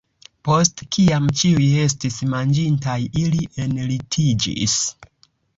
Post kiam ĉiuj estis manĝintaj, ili enlitiĝis.